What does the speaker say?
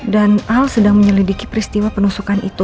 dan al sedang menyelidiki peristiwa penusukan itu